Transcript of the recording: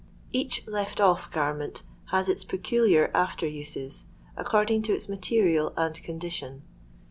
Each "left off" garment has its peculiar after utetf according to its material and condition.